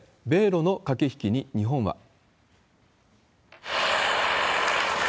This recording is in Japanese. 米ロの駆け引きに日本は。